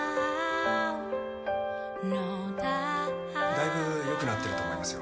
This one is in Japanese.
だいぶ良くなってると思いますよ。